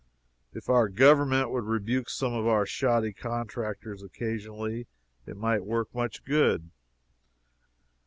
If our Government would rebuke some of our shoddy contractors occasionally, it might work much good.